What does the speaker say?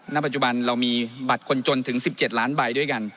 ณปัจจุบันเรามีบัตรคนจนถึง๑๗ล้านใบด้วยกัน